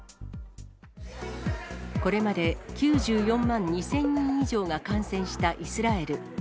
これまで９４万２０００人以上が感染したイスラエル。